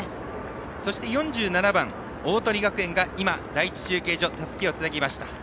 そして、４７番の鵬学園が第１中継所たすきをつなぎました。